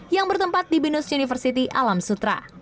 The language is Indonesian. yang bertempat di binus university alam sutra